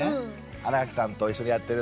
新垣さんと一緒にやってる。